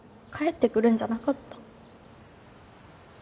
帰ってくるんじゃなかった